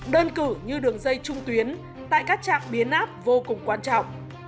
đơn cử như đường dây trung tuyến tại các trạm biến áp vô cùng quan trọng